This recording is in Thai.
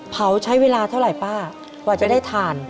เผาใช้เวลาเท่าไรเป้าะว่าจะได้ทาน